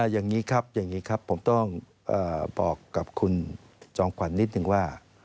อย่างนี้ครับอย่างนี้ครับผมต้องบอกกับคุณจอมขวัญนิดนึงว่า